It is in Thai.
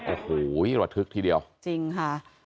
โอ้โหระทึกทีเดียวจริงค่ะ